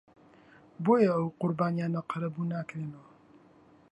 بۆیە ئەو قوربانییانە قەرەبوو ناکرێنەوە